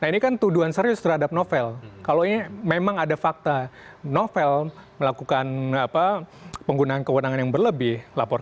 nah ini kan aneh